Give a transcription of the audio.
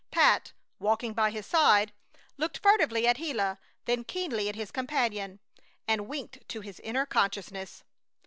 Pat, walking by his side, looked furtively at Gila then keenly at his companion, and winked to his inner consciousness.